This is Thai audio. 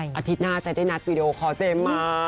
อาทิตย์หน้าจะได้นัดวีดีโอคอเจมส์มา